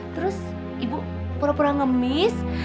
terus ibu pura pura ngemis